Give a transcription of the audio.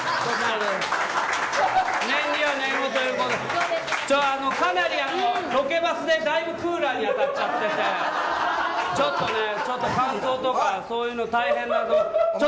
念には念をということで、ちょっと、かなりロケバスでだいぶクーラーに当たっちゃってて、ちょっとね、ちょっと乾燥とか、そういうの大変な。